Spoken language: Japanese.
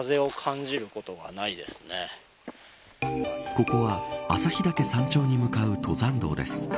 ここは朝日岳山頂に向かう登山道です。